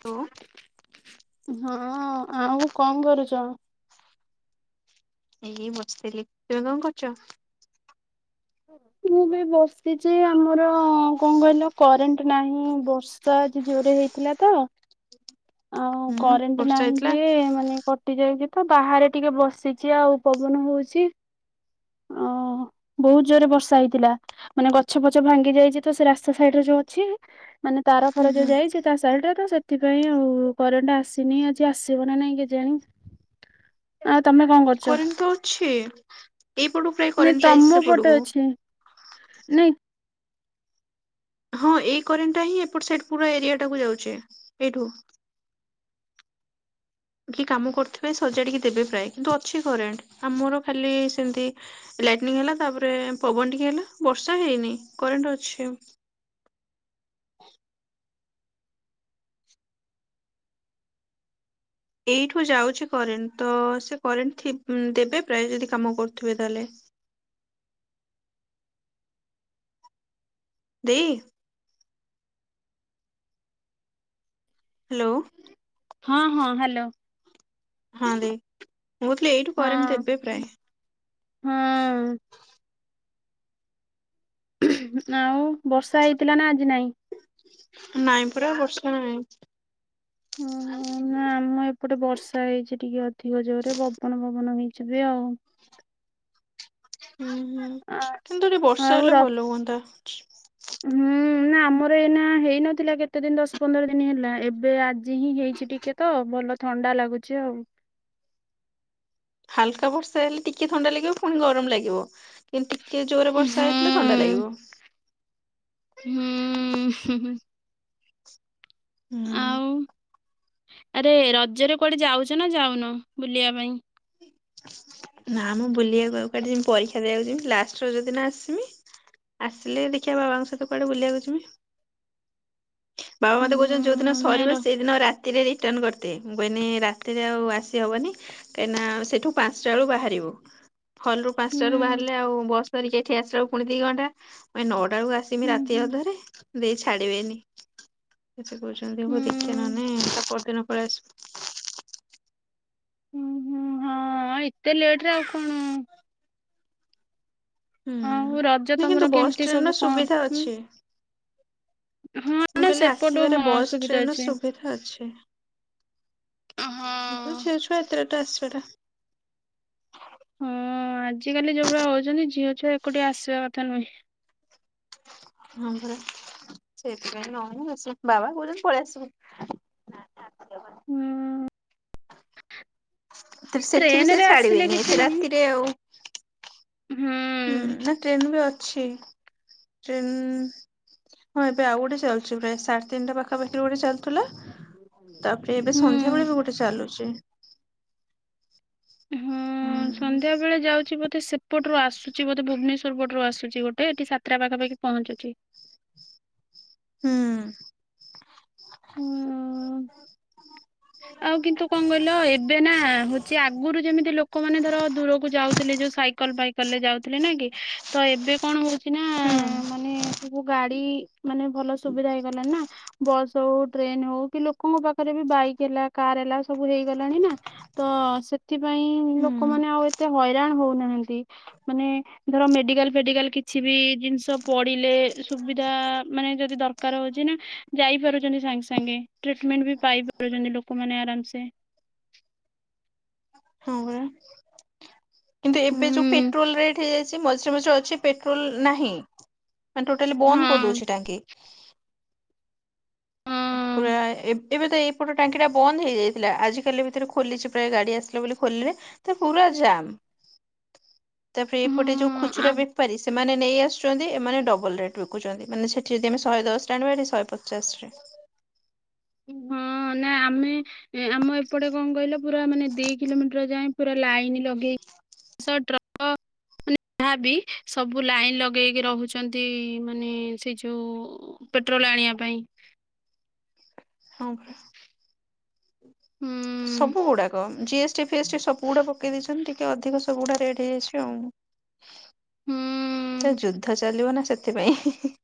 ତୁ। ହଁ ଆଉ କଣ କରୁଚ? ଏଇ ବସିଥିଲି। ତୁମେ କଣ କରୁଚ? ମୁଁ ବି ବସିଚି। ଆମର କଣ କହିଲ କରେଣ୍ଟ ନାହିଁ ବ ବର୍ଷା ଆଜି ଜୋରେ ହେଇଥିଲା ତ। ଆଉ ହୁଁ କରେଣ୍ଟ ବର୍ଷା ନାହିଁ ହେଇଥିଲା। ଯେ ମାନେ କଟି ଯାଇଛି ତ ବାହାରେ ଟିକେ ବସିଛି ଆଉ ପବନ ହଉଚି। ଅ ହଁ ବହୁତୁ ଜୋରରେ ବର୍ଷା ହେଇଥିଲା। ମାନେ ଗଛ ପଛ ଭାଙ୍ଗି ଯାଇଛି ତ ସେ ରାସ୍ତା ସାଇଡ୍ ରେ ଯୋଉ ଅଛି ମାନେ ତାର ହୁଁ ଫାର ଯୋଉ ହୁଁ। ଯାଇଛି, ତା ସାଇଡରେ ତ ସେଥିପାଇଁ ଆଉ। କରେଣ୍ଟ ଆସିନି ଆଜି ଆସିବ ନା ନାଇଁ କେଜାଣି। ଆଉ ତମେ କଣ କର କରେଣ୍ଟ ତ ଅଛି ଏଇପଟକୁ ପ୍ରାୟ ନାଇଁ କରେଣ୍ଟ ଯାଇଛି ତମ ପଟେ ସେପଟକୁ। ଅଛି ନାଇଁ ହଁ ଏଇ କରେଣ୍ଟଟା ହିଁ ଏପଟେ ସାଇଡକୁ ପୁରା ଏରିଆ ଟାକୁ ଯାଉଛେ ଏଇଠୁ। କି କାମ କରୁଥିବେ ସଜାଡ଼ିକି ଦେବେ ପ୍ରାୟ କିନ୍ତୁ ଅଛି କରେଣ୍ଟ। ଆମର ଖାଲି ସେମିତି ଲାଇଟନିଂ ହେଲା ତାପରେ ପବନ ଟିକେ ହେଲା ବର୍ଷା ହେଇନି କରେଣ୍ଟ ଅଛି। ଏଇଠୁ ଯାଉଛି କରେଣ୍ଟ ତ ସେ କରେଣ୍ଟ ଥି ଦେବେ ପ୍ରାୟ ଯଦି କାମ କରୁଥିବେ ତାହେଲେ ଦେଇ ହ୍ୟାଲୋ। ହଁ ହଁ ହ୍ୟାଲୋ। ହଁ ଦେ ମୁଁ ଥିଲି ଏଇଠି ହଁ ହୁଁ। ଆଉ ବର୍ଷା ହେଇଥିଲା ନା ଆଜି ନାହିଁ। ନାଇଁ ପୁରା ବର୍ଷା ନାଇଁ। ଓହୋ [inaudible] ନା ଆମ ଏପଟେ ବର୍ଷା ହେଇଚି ଟିକେ ଅଧିକ ଜୋରରେ ପବନ ପବନ ହେଇଚି ବି ଆଉ। ହୁଁ ଆ ହୁଁ କିନ୍ତୁ ଟିକେ ବର୍ଷା ଆଉ ହେଲେ ର ଭଲ ହୁଅନ୍ତା। ହୁଁ ନା ଆମର ଏଇନା ହେଇନଥିଲା କେତେ ଦିନ ଦଶ ପନ୍ଦର ଦିନ ହେଲା ଏବେ ଆଜି ହିଁ ହେଇଛି ଟିକେ। ତ ଭଲ ଥଣ୍ଡା ଲାଗୁଚି ଆଉ। ହାଲକା ବର୍ଷା ହେଲେ ଟିକେ ଥଣ୍ଡା ଲାଗିବ ପୁଣି ଗରମ ଲାଗିବ କିନ୍ତୁ ଟିକେ ଜୋରରେ ହୁଁ ବର୍ଷା ହେଇଥିଲା ଥଣ୍ଡା ହୁଁ ଲାଗିବ। ହୁଁ ହୁଁ। ଆଉ ଆରେ ରଜରେ କୁଆଡେ ଯାଉଚ ନା ଯାଉନ ବୁଲିବା ପାଇଁ? ନାମ ବୁଲିବାକୁ ଆଉ ଯିବି ପରୀକ୍ଷା ଦେବାକୁ ଯିବି ଲାଷ୍ଟ ରଜ ଦିନ ଆସିମି ଆସିଲେ ଦେଖିବା ବାବାଙ୍କ ସହିତ କୁଆଡେ ବଲିବାକୁ ଯିବି। ବାବା ମତେ ହୁଁ କହୁଛନ୍ତି ଯୋଉ ଦିନ ନା ସରିବ ର ସେଇଦିନ ରା ରାତିରେ ରିଟର୍ଣ କରିତେ ମୁଁ କହିନି ରାତିରେ ଆଉ ଆସିହବନି ଏଇନା ସେଠୁ ପାଞ୍ଚଟା ବେଳୁ ବାହାରିବୁ ହଲରୁ ହୁଁ ପାଞ୍ଚଟାରୁୁ ବାହାରିଲେ ଆଉ ବସ ଧରିକି ଏଠି ଆସିଲା ବେଳକୁ ପୁଣି ଦି ଘଣ୍ଟା ନଅଟା ବେଳକୁ ଆସିବି ହୁଁ ରାତି ହୁଁ ଅଧରେ ଦେଇ ଛାଡିବେନି। ସେ କହୁଛନ୍ତି ହଉ ଦେଖିବା ହୁଁ। ନହେଲେ ତା ପରଦିନ ପଳେଇ ଆସିବୁ। ଉଁ ହୁଁ ହଁ ଏତେ ଲେଟ ରେ ଆଉ କଣ ଆଉ ରଜ ହୁଁ କିନ୍ତୁ ତମର ବସ୍ କେମିତି ଟ୍ରେନ ସବୁ ର କଣ? ସୁବିଧା ହୁଁ ଅଛି। ହଁ ମୁଁ ନା କହିଲି ସେପଟୁ ଆସିବାରେ ହଁ ବସ୍ ସୁବିଧା ଟ୍ରେନ ର ଅଛି। ସୁବିଧା ଅଛି। ହଁ ଛିଅ ଛୁଆଟା ଏତେ ରାତିରେ ଆସିବା ଟା ହଁ ଆଜିକାଲି ଯୋଉଭଳିଆ ହଉଛନ୍ତି ଝିଅ ଛୁଆ ଏକୁଟିଆ ଆସିବା କଥା ନୁହେଁ। ହଁ ପରା ସେଇଥିପାଇଁ ନ ଆସୁ ବାବା କହୁଛନ୍ତି ପଳେଇ ଆସିବୁ। ହୁଁ ସେଠି ବି ଟ୍ରେନ ସେ ରେ ଆସିଲେ ଛାଡିବେନି କିଛି ଏତେ ନାହିଁ ରାତିରେ ଆଉ ହୁଁ। ଟ୍ରେନ ବି ଅଛି ଟ୍ରେନ ହଁ ଏବେ ଆଉ ଗୋଟେ ଚାଲଛି ପ୍ରାୟ ସାଢେ ତିନିଟା ପାଖା ପାଖରେ ଗୋଟେ ଚାଲୁଥିଲା ତାପରେ ଏବେ ସନ୍ଧ୍ୟା ହୁଁ। ବେଳେ ବି ଗୋଟେ ଚାଲୁଚି। ହଁ ହୁଁ ସନ୍ଧ୍ୟାବେଳେ ଯାଉଛି ବୋଧେ ସେ ପଟରୁୁ ଆସୁଛି ବୋଧେ ଭୁବନେଶ୍ୱର ପଟରୁ ଆସୁଛି ଗୋଟେ ଏଠି ସାତଟା ପାଖାପାଖି ପହଞ୍ଚୁଚି। ହୁଁ। ହୁଁ [inaudible] ଆଉ କିନ୍ତୁ କଣ କହିଲ ଏବେ ନା ହଉଛି ଆଗରୁ ଯେମିତି ଲୋକ ଲୋକମାନେ ଧର ଦୂରକୁ ଯାଉଥିଲେ ଯୋଉ ସାଇକେଲ ଫାଇକେଲ ରେ ଯାଉଥିଲେ ନା କି ତ ଏବେ କଣ ହଉଚି ହଉଚି ନା ମାନେ ସବୁ ଗାଡି ମାନେ ଭଲ ସୁବିଧା ହେଇଗଲାଣି ନା ବସ୍ ହଉ ଟ୍ରେନ ହଉ କି ଲୋକଙ୍କ ପାଖରେ ବି ବାଇକ୍ ହେଲା କାର ହେଲା ସବୁ ହେଇଗଲାଣି ନା ତ ସେ ସେଥିପାଇଁ ହୁଁ ଲୋକମାନେ ଆଉ ଏତେ ହଇରାଣ ହଉନାହାନ୍ତି। ମାନେ ଧର ମେଡିକାଲ ଫେଡିକାଲ କିଛି ବି ଜିନିଷ ପଡିଲେ ସୁବିଧା ମାନେ ଯଦି ଦର ଦରକାର ହଉଛି ନା ଯାଇ ପାରୁଛନ୍ତି ସାଙ୍ଗେ ସାଙ୍ଗେ ଟ୍ରିଟମେଣ୍ଟ ବି ପାଇ ପାରୁଛନ୍ତି ଲୋକମାନେ ଆରାମସେ। ହଁ ପରା। କିନ୍ତୁ ଏବେ ଯୋଉ ହୁଁ ପେଟ୍ରୋଲ ରେଟ୍ ହେଇଯାଇଛି ମଝିରେ ମଝିରେ ଅଛି ପେଟ୍ରୋଲ ନାହିଁ ମାନେ ଟୋଟାଲି ହଁ ବନ୍ଦ କରିଦଉଛି ଟାଙ୍କି। ହଁ ପୁରା ଏବେତ ଏଇପଟ ଟାଙ୍କିଟା ବନ୍ଦ ହେଇଯାଇଥିଲା ଆଜିିକାଲି ଭିତରେ ଖୋଲିଚି ପ୍ରାୟ ଗାଡ଼ି ଆସିଲା ବୋଲି ଖୋଲିଲେ ତପୁରା ଜାମ୍ ତାପରେ ଏପଟେ ଯୋଉ ହଁ ଆ ଖୁଚୁରା ବେପାରି ସେମାନେ ନେଇ ଆସୁଚନ୍ତି ଏମାନେ ଡବଲ୍ ରେଟ୍ ବିକୁଚନ୍ତି ମାନେ ସେଠି ଯଦି ଆମ ଶହେ ଦଶରେ ଆଣିବା ଏଠି ଶହେ ପଚାଶେରେ। ହଁ ନା ଆମେ ଆମ ଏପଟେ କଣ କଇଁଲ ପୁରା ମାନେ ଦି କିଲୋମିଟର୍ ଯାଏଁ ପୁରା ଲାଇନ୍ ଲଗେଇ ବସ୍ ଟ୍ରକ୍ [inaudible] ଯାହାବି ସବୁ ଲାଇନ୍ ଲଗେଇକି ରହୁଚନ୍ତି ମାନେ ସେଇଯୋଉ ପେଟ୍ରୋଲ ଆଣିବା ପାଇଁ। ହଁ ପରା। ହୁଁ ସବୁ ଗୁଡ଼ାକ ଜିଏସ୍ ଟି ଫିଏସ୍ ଟି ସବୁ ଗୁଡ଼ାକ ପକେଇ ଦେଇଚନ୍ତି ଟିକେ ଅଧିକ ସବୁଅଡ଼ା ରେଟ୍ ହେଇଯାଇଚି ଆଉ। ତ ହୁଁ। ଯୁଦ୍ଧ ଚାଲିବନା ସେଥିପାଇଁ।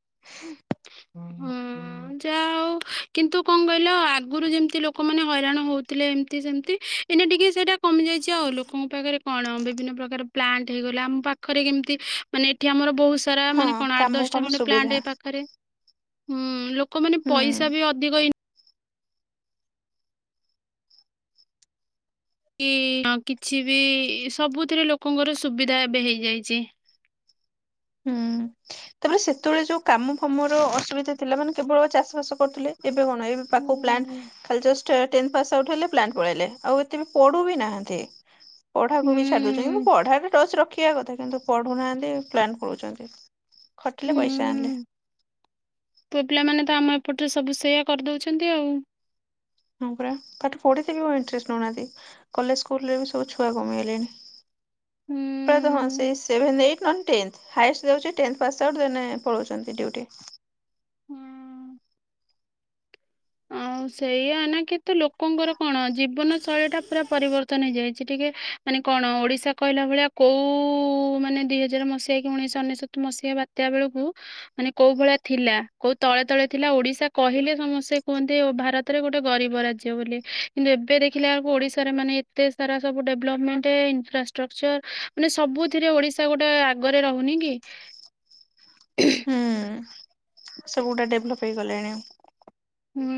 ହୁଁ। ହଁ ଯାହା ହଉ କିନ୍ତୁ କଣ କହିଲ ଆଗରୁ ଯେମିତି ଲୋକମାନେ ହଇରାଣ ହଉଥିଲେ ଏମିତି ସେମିତି ଏଇନା ଟିକେ ସେଇଟା କମି ଯାଇଚି ଆଉ ଲୋକଙ୍କ ପାଖରେ କଣ ବିଭିନ୍ନ ପ୍ରକାର ପ୍ଲାଣ୍ଟ ହେଇଗଲା ଆମ ପାଖରେ କେମିତି ମାନେ ଏଠି ଆମର ବହୁତ୍ ସାରା ହଁ ମାନେ କଣ ଆଠ କାମ ଦଶଟା ଫାମ ଖଣ୍ଡେ ସୁବିଧା ପ୍ଲାଣ୍ଟ ଏପାଖରେ ହୁଁ ଲୋକମାନେ ହୁଁ ପଇସାବି ଅଧିକ ଇନ୍ କି କିଛିବି ସବୁଥିରେ ଲୋକଙ୍କର ସୁବିଧା ଏବେ ହେଇଯାଇଚି। ହୁଁ। ତାପରେ ସେତେବେଳେ ଯୋଉ କାମ ଫାମର ଅସୁବିଧା ଥିଲା ମାନେ କେବଳ ଚାଷ ବାସ କରୁଥିଲେ ଏବେ କଣ ଏବେ ପାଖକୁ ହୁଁ ପ୍ଲାଣ୍ଟ ଖାଲି ଜଷ୍ଟ ଟେନ୍ଥ ପାସ୍ ଆଉଟ୍ ହେଲେ ପ୍ଲାଣ୍ଟ ପଳେଇଲେ ଆଉ ଏତେବି ପଢ଼ୁବି ନାହାନ୍ତି। ପଢାକୁବି ଛାଡ଼ି ଦଉଚନ୍ତି କିନ୍ତୁ ପଢାଟା ଟଚ୍ ରଖିବା କଥା କିନ୍ତୁ ପଢୁନାହାନ୍ତି ପ୍ଲାଣ୍ଟ ପଳଉଚନ୍ତି। ଖଟିଲେ ପଇସା ଆଣିଲେ। ହୁଁ ପୁଅ ପିଲାମାନେତ ଆମ ଏପଟରେ ସବୁ ସେୟା କରିଦଉଛନ୍ତି ଆଉ। ହଁ ପରା ପାଠ ପଢିତେ ଇଣ୍ଟଷ୍ଟ ନଉନାହାନ୍ତି କଲେଜ୍ ସ୍କୁଲରେବି ସବୁ ଛୁଆ କମିଗଲେଣି। ହୁଁ ପ୍ରାୟତ ହଁ ସେଇ ସେଭେନ୍ ଏଇଟ୍ ନହେନେ ଟେନ୍ଥ ହାଏସ୍ ଦଉଚି ଟେନ୍ଥେ ପାସ୍ ଆଉଟ୍ ଦେନ୍ ପଳଉଛନ୍ତି ଡିଉଟି। ହୁଁ। ଆଉ ସେଇଆ ଏଇନା କେତେ ଲୋକଙ୍କର କଣ ଜୀବନ ଶୈଳୀଟା ପୁରା ପରିବର୍ତ୍ତନ ହେଇଯାଇଚି ଟିକେ ମାନେ କଣ ଓଡ଼ିଶା କହିଲା ଭଳିଆ କୋଉ ମାନେ ଦିଇ ହଜାରେ ମସି ଯାଇକି ଉଣେଇଶହ ଅନେଶ୍ୱତ ମସିହା ବାତ୍ୟା ବେଳକୁ ମାନେ କୋଉ ଭଳିଆ ଥିଲା କୋଉ ତଳେ ତଳେ ଥିଲା ଓଡ଼ିଶା କହିଲେ ସମସ୍ତେ କୁହନ୍ତି ଭାରତରେ ଗୋଟେ ଗରିବ ରାଜ୍ୟ ବୋଲି କିନ୍ତୁ ଏବେ ଦେଖିଲେ ଆକୁ ଓଡ଼ିଶାରେ ମାନେ ଏତେ ସାରା ସବୁ ଡେଭଲପମେଣ୍ଟ ଇନଫ୍ରାଷ୍ଟ୍ରକ୍ଚର ମାନେ ସବୁଥିରେ ଓଡ଼ିଶା ଗୋଟେ ଆଗରେ ରହୁନିକି [inaudible] ହୁଁ ସବୁୁଟା ଡେଭଲପ୍ ହେଇଗଲେଣି। ହୁଁ।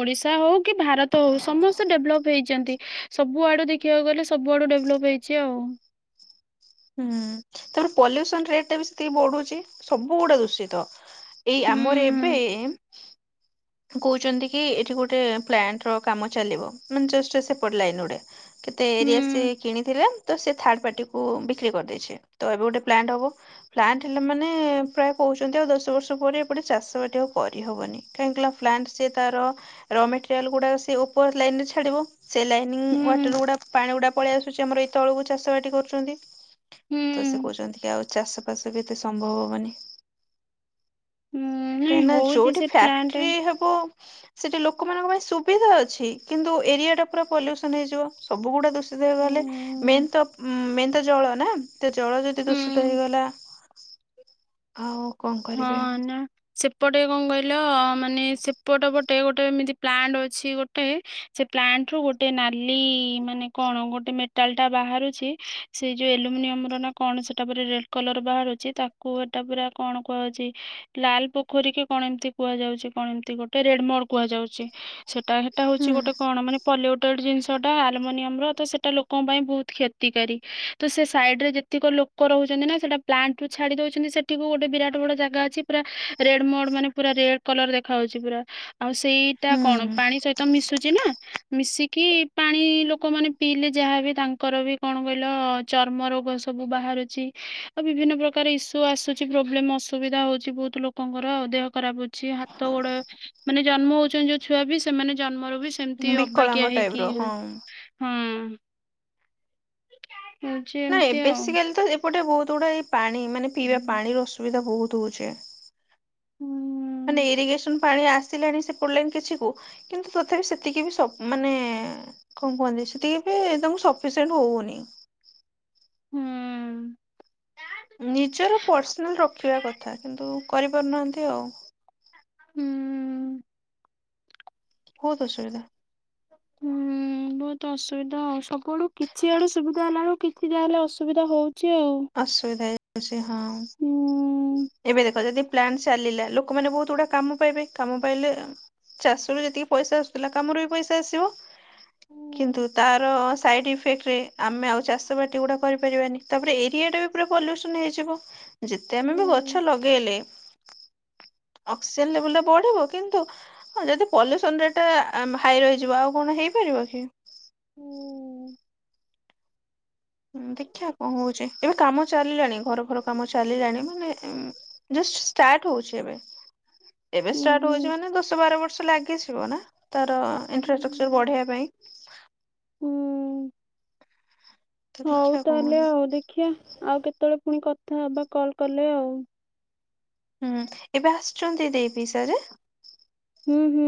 ଓଡ଼ିଶା ହଉକି ଭାରତ ହଉ ସମସ୍ତେ ଡେଭଲପ୍ ହେଇଚନ୍ତି ସବୁଆଡ଼ୁ ଦେଖିବାକୁ ଗଲେ ସବୁଆଡ଼ୁ ଡେଭଲପ୍ ହେଇ ହେଇଚି ଆଉ ହୁଁ ତାପରେ ପଲ୍ୟୁସନ ରେଟ୍ ଟାବି ସେତିକି ବଢ଼ୁଚି ସବୁ ଗୁଡ଼େ ଦୂଷିତ। ଏଇ ଆମର ଏବେ ହୁଁ ଏମ୍ କହୁଚନ୍ତିକି ଏଠି ଗୋଟେ ପ୍ଲାଣ୍ଟର କାମ ଚାଲିବ ମାନେଜଷ୍ଟ ସେପଟ ଲାଇନ୍ ଗୁଡ଼େ କେତେ ଏରିଆ ହୁଁ ସେକିଣିଥିଲେ ତସେ ଥାର୍ଡ଼ ପାର୍ଟିକୁ ବିକ୍ରି କରିଦେଇଛି ତଏବେ ଗୋଟେ ପ୍ଲାଣ୍ଟ ହବ ଫ୍ଲାଣ୍ଟ ହେଲା ମାନେ ପ୍ରାୟ କହୁଚନ୍ତି ଆଉ ଦଶ ବର୍ଷ ପରେ ଏପଟେ ଚାଷ ବାଟି ଆଉ କରିହବନି କାହିଁକି ନା ତାର ର ର ମେଟେରିଆଳ ଉପରେ ଲାଇନ୍ ରେଝାଡିବ ହୁଁ ୱାଟର ଗୁଡା ପାଣି ଗୁଡା ପଳେଇ ଆସୁଛି ଆମର ଏଇତଳକୁ ଚାଷ ବାଟି କରୁଛନ୍ତି। ହୁଁ ତ ସେ କହୁଛନ୍ତି କି ଆଉ ଚାଷବାସ ବି ଏତେ ସମ୍ଭବ ହବନି। ହୁଁ ନାଇଁ କାହିଁକି ନା ହଉଛି ଯୋଉଠି ସେ ପ୍ଲାଣ୍ଟ ଫ୍ୟାକ୍ଟ୍ରି ହବ ସେଠି ଲୋକମାନଙ୍କ ପାଇଁ ସୁବିଧା ଅଛି କିନ୍ତୁ ଏରିଆ ଟା ପୁରା ପଲ୍ୟୁସନ ହେଇଯିବ। ସବୁଗୁଡା ଦୁଚିତ। କୁ ହୁଁ ଗଲେ ମେହ ଉ ମେହନ୍ତ ଜଳ ନା? ଏତେ ଜଳ ଯଦି ଦୂଷିତ ହୁଁ ହେଇଗଲା ଆଉ କନ। ହଁ ନା ସେପଟେ କଣ କହିଲ ମାନେ ସେପଟ ପଟ ଗୋଟେ ଗୋଟେ ଏମତି ପ୍ଲାଣ୍ଟ ଅଛି ଗୋଟେ ସେ ପ୍ଲାଣ୍ଟ ରୁ ଗୋଟେ ନାଲି ମାନେ କଣ ଗୋଟେ ଟେଲ ଟା ବାହାରୁଛି ସେ ଯୋଉ ଆଲୁମିନିୟମ ର ନା କଣ ସେଟା ଉପରେ ରେ କଲର ବାହାରୁଛି ତା କୁଅଟା ପୁରା କଣ କୁହଛି। ଲାଲ ପୋଖରୀ କଣ ଏମିତି କୁହାଯାଉଛି କଣ ଏମତି ଗୋଟେ ରେଡମଡ କୁହାଯାଉଛି। ସେଟା ସେଟା ହଉଛି ହୁଁ ଗୋଟେ କଣ ମାନେ ପଲ୍ୟୁଟେଡ଼୍ ଜିନିଷଟା ଆଲୁମିନିୟମର ତ ସେଇଟା ଲୋକଙ୍କ ପାଇଁ ବହୁତ କ୍ଷତିକାରୀ। ତ ସେ ସାଇଡ଼ରେ ଯେ ଅତିକ ଲୋକ ରହୁଛନ୍ତି ନା ସେଟା ପ୍ଲାଣ୍ଟ ରୁ ଛାଡି ଦଉଛନ୍ତି ସେଠିକୁ ଗୋଟେ ବିରାଟ ବଟ ବଡ ଜାଗା ଅଛି ପୁରା ରେଡ ମୋଡ ମାନେ ପୁରା ରେଡ କଲର ଦେଖାହାଉଉଛି ପୁରା। ଆଉ ସେଇଟା ହୁଁ କଣ ପାଣି ସହିତ ମିଶୁଛି ନା ମିଶିକି ପାଣି ଲୋକମାନେ ପିଇଲେ ଯାହାବ ତାଙ୍କର ବି କଣ କହିଲ ଚର୍ମ ରୋଗ ଏ ସବୁ ବାହାରୁଛି ଆଉ ବିଭିନ୍ନ ପ୍ରକାର ଇସୁ ଆସୁଛି ପ୍ରୋବ୍ଲେସ ସୁବିଧା ହଉଛି ବହୁତ ଲୋକଙ୍କର ଦେହ ଖରାପ ଅଉଛି ହାତ ଗୋଡ ମାନେ ଜନ୍ମ ହଉଛନ୍ତି ଯୋଉ ଛୁଆ ବି ସେମାନେ ଜନ୍ମର ବି ସେମିତି ବିକଳାଙ୍ଗ ଅବାକିଆ ଟାଇପ ହେଇକି ର ହଁ। ହଉଛି ନାଇଁ ଏମିତି ଆଉ। ବେସିକାଲି ତ ଏପଟେ ବହୁତ ଗୁଡା ଏଇ ପାଣି ମାନେ ପିଇବା ପାଣିର ଅସୁବିଧା ବହୁତ ହଉଛେ। ହୁଁ ମାନେ ଇରିଗେସନ ପାଣି ଆସିଲାଣି ସେ ପଡିଲାଣି କିଛି କୁ। କିନ୍ତୁ ତଥାପି ସେତିକି ବି ସ ମାନେ କଣ କୁହନ୍ତି ସେ ଟିକେ ବି ସଫିସିଏଣ୍ଟ ହଉନି। ହୁଁ ନିଜର ପର୍ସନାଲ ରଖିବା କଥା କିନ୍ତୁ କରିପାରୁନାହାନ୍ତି ଆଉ। ହୁଁ ହଉ ତ ସୁବିଧା [inaudible] ବତ ଅସୁବିଧା ଆଉ ସବୁଆଡୁ କିଛି ଆଡୁ ସୁବିଧା ହେଲାଣିୁ କିଛି ଯାହେଲେ ଅସୁବିଧା ହଉଛି ଆଉ। ଅସୁବିଧା ହେଇଯାଉଛି ହଁ ହୁଁ। ଏବେ ଦେଖ ଯଦି ପ୍ଲାନ ଚାଲିଲା ଲୋକମାନେ ବହୁତ ଗୁଡା କାମ ପାଇବେ। କାମ ପାଇଲେ ଚାଷରୁ ଯେତିକି ପଇସା ଆସୁଥିଲା କାମରୁ ବି ପଇସା ଆସିବ। କିନ୍ତୁ ହୁଁ ତାର ସାଇଡ ଇଫେକ୍ଟ ରେ ଆମେ ଆଉ ଚାଷ ବାଟି ଗୁଡା କରିପାରିବାନି। ତାପରେ ଏଇ କି ଟା ବି ପୁରା ପଲ୍ୟୁସନ ହେଇଯିବ। ଯେତେ ଆମେ ବି ଗଛ ଲଗେଇଲେ ଅକ୍ସିଜେନ ଲେବୁଲରେ ବଢିବ କିନ୍ତୁ ହଁ ଯଦି ପଲ୍ୟୁସନ ରେଟ୍ ଟା ହାଇ ରହିଯିବ ଆଉ କଣ ହେଇପାରିବ କି। ହୁଁ ଦେଖିବା କଣ ହଉଛି ଏବେ କାମ ଚାଲିଲାଣି ଘର ଘର କାମ ଚାଲିଲାଣି ମାନେ ଜଷ୍ଟ ଷ୍ଟାର୍ଟ ହଉଛି ଏବେ। ଏବେ ଷ୍ଟାର୍ଟ ହୁଁ। ହଉଛି ମାନେ ଦଶ, ବାର ବର୍ଷ ଲାଗିଯିବ ନା। ତାର ଇନଫ୍ରାଷ୍ଟ୍ରକ୍ଚର ବଢ଼େଇବା ପାଇଁ ହୁଁ [inaudible] ତ ହଉ ଦେଖିବା କଣ ତାହେଲେ ହଉଛି ଆଉ ଦେଖିବା ଆଉ କେତେବେଳେ ପୁଣି କଥା ହବା କଲ୍ କଲେ ଆଉ ହୁଁ ଏବେ ଆସିଛନ୍ତି ଦେଇ ପିଇସା ଯେ - ଉଁ ହୁଁ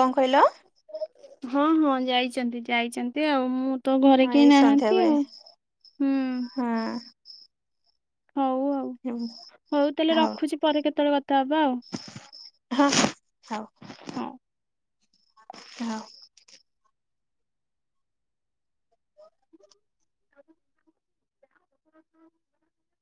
କଁ କହିଲ? ହଁ ହଁ ଯାଇଛନ୍ତି, ଯାଇଛନ୍ତି ଆଉ ମୁଁ- ତୋ ଘରେ ହଁ କେହି ଏଇ ସନ୍ଧ୍ୟା ନାହାନ୍ତି ବେଳେ ଆଉ, ହୁଁ ହଁ ହଉ ଆଉ, ହଉ ହଉ ତାହେଲେ ରଖୁଚି ପରେ କେତେବେଳେ କଥା ହବା ଆଉ ହଁ ହଁ ଥାଉ। ହଁ। ଥାଉ। [inaudible]